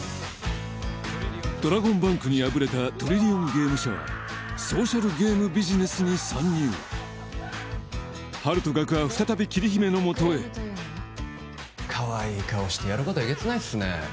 ドラゴンバンクに敗れたトリリオンゲーム社はソーシャルゲームビジネスに参入ハルとガクは再び桐姫のもとへかわいい顔してやることえげつないっすね